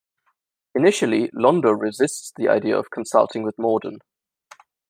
Initially, Londo resists the idea of consulting with Morden.